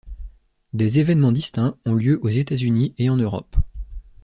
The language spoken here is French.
Des événements distincts ont lieu aux États-Unis et en Europe.